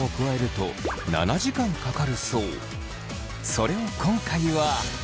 それを今回は。